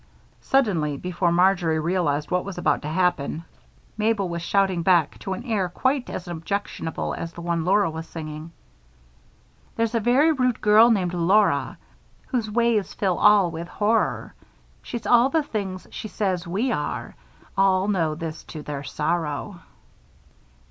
Suddenly, before Marjory realized what was about to happen, Mabel was shouting back, to an air quite as objectionable as the one Laura was singing: There's a very rude girl named Laura, Whose ways fill all with horror. She's all the things she says we are; All know this to their sorrow.